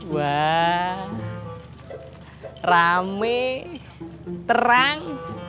wah rame terang